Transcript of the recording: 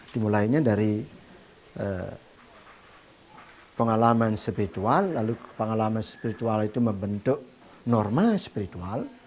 dimulainya dari pengalaman spiritual lalu pengalaman spiritual itu membentuk norma spiritual